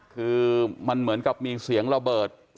คือมันเหมือนกับมีเสียงระเบิด